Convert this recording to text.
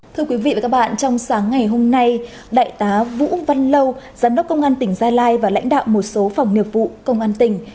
thưa quý vị và các bạn trong sáng ngày hôm nay đại tá vũ văn lâu giám đốc công an tỉnh gia lai và lãnh đạo một số phòng nghiệp vụ công an tỉnh